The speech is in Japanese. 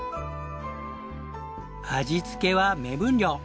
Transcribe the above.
味付けは目分量！